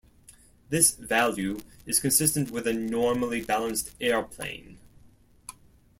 This value is consistent with a normally balanced airplane.